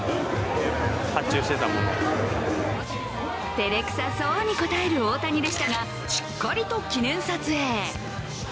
てれくさそうに答える大谷でしたがしっかりと記念撮影。